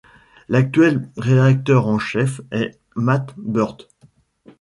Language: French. L'actuel rédacteur en chef est Matt Burt.